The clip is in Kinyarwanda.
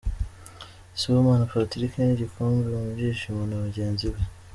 Sibomana Patrick n’igikombe mu byishimo na bagenzi be.